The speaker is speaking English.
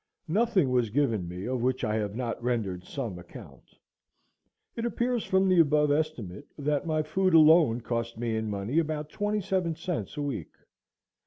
Nothing was given me of which I have not rendered some account. It appears from the above estimate, that my food alone cost me in money about twenty seven cents a week.